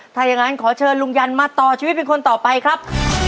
ถ้าอย่างนั้นขอเชิญลุงยันมาต่อชีวิตเป็นคนต่อไปครับ